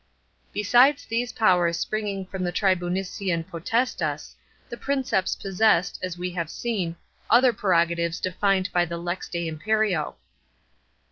Besides these powers springing from the tribunician potestas, the Princeps possessed, as we have seen, other prerogatives defined by the Lex de imperio.